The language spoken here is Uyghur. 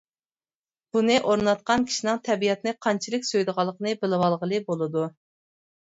بۇنى ئورناتقان كىشىنىڭ تەبىئەتنى قانچىلىك سۆيىدىغانلىقىنى بىلىۋالغىلى بولىدۇ.